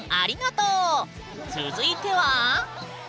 続いては？